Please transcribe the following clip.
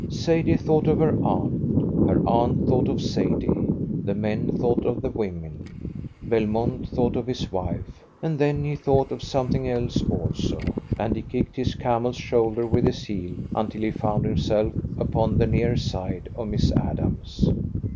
Sadie thought of her aunt, her aunt thought of Sadie, the men thought of the women, Belmont thought of his wife and then he thought of something else also, and he kicked his camel's shoulder with his heel, until he found himself upon the near side of Miss Adams.